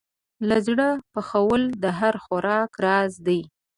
له زړه پخول د هر خوراک راز دی.